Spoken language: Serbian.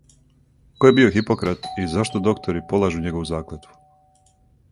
Ко је био Хипократ и зашто доктори полажу његову заклетву?